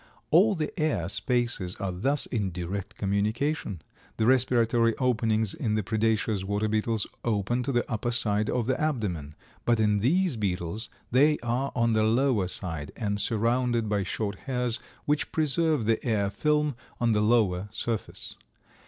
All the air spaces are thus in direct communication. The respiratory openings in the Predaceous water beetles open on the upper side of the abdomen, but in these beetles they are on the lower side and surrounded by short hairs which preserve the air film on the lower surface.